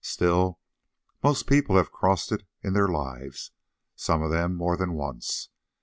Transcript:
Still, most people have crossed it in their lives, some of them more than once.